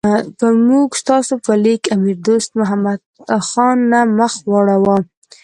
موږ ستاسو په لیک امیر دوست محمد خان نه مخ واړاو.